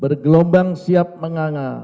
bergelombang siap mengangah